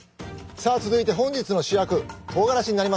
さあ続いて本日の主役とうがらしになりますね。